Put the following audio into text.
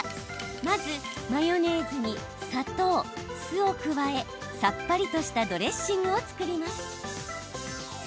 まず、マヨネーズに砂糖、酢を加えさっぱりとしたドレッシングを作ります。